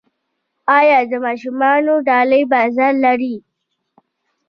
آیا د ماشومانو ډالۍ بازار لري؟